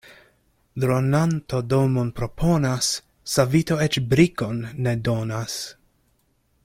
Dronanto domon proponas, savito eĉ brikon ne donas.